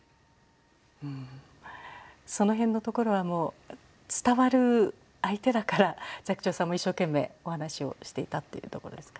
うんその辺のところはもう伝わる相手だから寂聴さんも一生懸命お話をしていたっていうところですか。